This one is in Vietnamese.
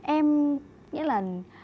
em nghĩ là